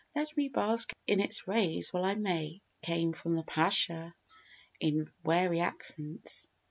Let me bask in its rays while I may," came from the Pasha in wary accents.